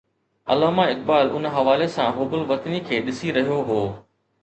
علامه اقبال ان حوالي سان حب الوطني کي ڏسي رهيو هو.